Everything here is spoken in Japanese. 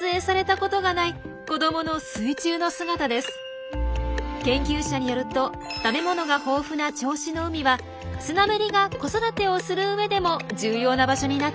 研究者によると食べ物が豊富な銚子の海はスナメリが子育てをする上でも重要な場所になっているといいます。